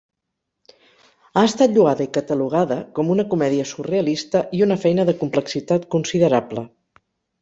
Ha estat lloada i catalogada com una comèdia surrealista i una feina de complexitat considerable.